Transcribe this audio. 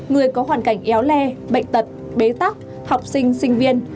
người có hoàn cảnh éo le bệnh tật bế tắc học sinh sinh viên